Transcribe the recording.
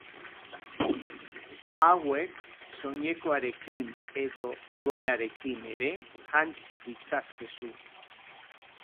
Hauek, soinekoarekin edo gonarekin ere jantzi ditzazkezu.